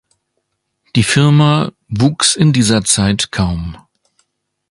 Die Firma wuchs in dieser Zeit kaum.